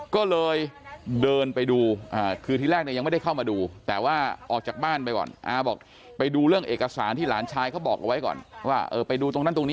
ก็เลยเดินไปดูคือที่แรกเนี่ยยังไม่ได้เข้ามาดูแต่ว่าออกจากบ้านไปก่อน